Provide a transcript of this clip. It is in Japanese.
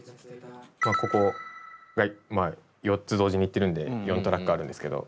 ここが４つ同時に言ってるので４トラックあるんですけど。